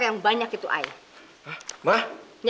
yang banyak itu ayah